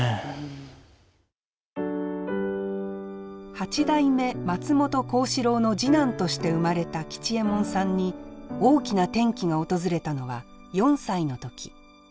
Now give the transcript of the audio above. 八代目松本幸四郎の次男として生まれた吉右衛門さんに大きな転機が訪れたのは４歳の時。